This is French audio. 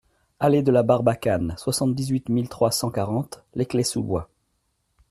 Allée de la Barbacane, soixante-dix-huit mille trois cent quarante Les Clayes-sous-Bois